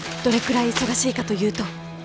どれくらい忙しいかというと